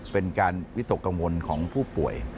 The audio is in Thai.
เป็นการวิตกกังวลของผู้ป่วย